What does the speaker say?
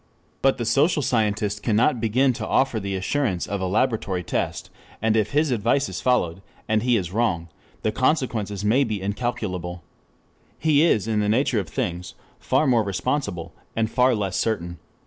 But the social scientist cannot begin to offer the assurance of a laboratory test, and if his advice is followed, and he is wrong, the consequences may be incalculable. He is in the nature of things far more responsible, and far less certain.